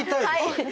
はい！